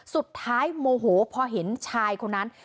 สุดท้ายโมโหพอเห็นชายคนนั้น